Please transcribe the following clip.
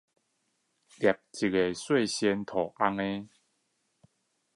捏了一個小泥人